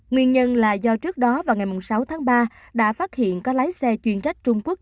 nguyên nhân là do trước đó vào ngày sáu tháng ba đã phát hiện có lái xe chuyên trách trung quốc